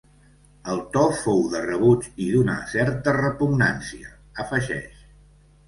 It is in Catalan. El to fou de rebuig i d’una certa repugnància, afegeix.